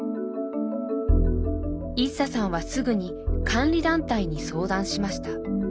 イッサさんはすぐに監理団体に相談しました。